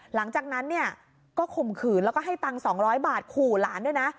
หลังจากนั้นเนี่ยก็ข่มขืนแล้วก็ให้ตังค์๒๐๐บาทขู่หลานด้วยนะ